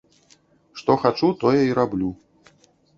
Што хачу тое і раблю.